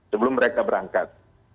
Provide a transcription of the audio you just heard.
sebelum mereka berangkat